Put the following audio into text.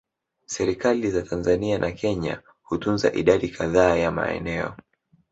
Serikali za Tanzania na Kenya hutunza idadi kadhaa ya maeneo